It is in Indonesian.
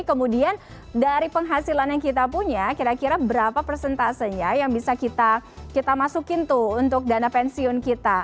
kemudian dari penghasilan yang kita punya kira kira berapa persentasenya yang bisa kita masukin tuh untuk dana pensiun kita